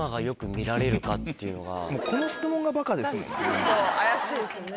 ちょっと怪しいですね。